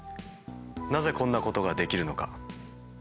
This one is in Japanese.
なぜこんなことができるのか？